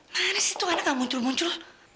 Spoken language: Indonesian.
mana sih itu anak anak muncul muncul